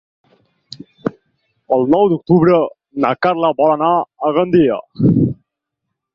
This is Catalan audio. El nou d'octubre na Carla vol anar a Gandia.